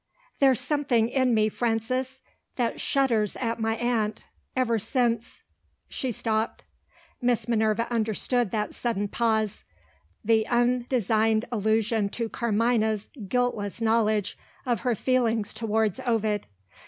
"There's something in me, Frances, that shudders at my aunt, ever since " She stopped. Miss Minerva understood that sudden pause the undesigned allusion to Carmina's guiltless knowledge of her feeling towards Ovid.